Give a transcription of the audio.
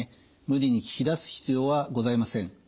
無理に聞き出す必要はございません。